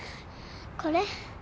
これ？